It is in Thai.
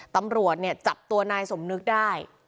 ตำรวจเนี่ยจับตัวนายสมนึกได้